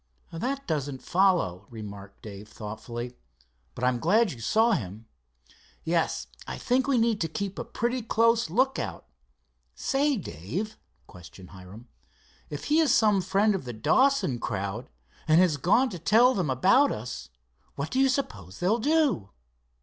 "That doesn't follow," remarked Dave thoughtfully, "but I'm glad you saw him." "Yes, I think we need to keep a pretty close lookout. Say, Dave," questioned Hiram, "if he is some friend of the Dawson crowd, and has gone to tell them about us, what do you suppose they'll do?"